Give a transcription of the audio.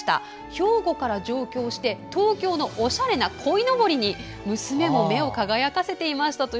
兵庫から上京して東京のおしゃれなこいのぼりに娘も目を輝かせていました。